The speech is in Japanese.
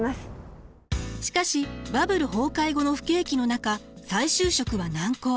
しかしバブル崩壊後の不景気の中再就職は難航。